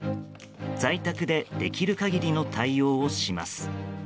在宅でできる限りの対応をします。